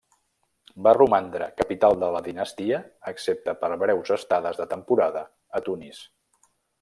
Va romandre capital de la dinastia excepte per breus estades de temporada a Tunis.